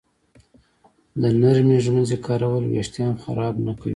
د نرمې ږمنځې کارول وېښتان خراب نه کوي.